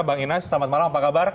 bang inas selamat malam apa kabar